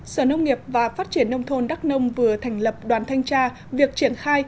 sở nông nghiệp và phát triển nông thôn đắk nông vừa thành lập đoàn thanh tra việc triển khai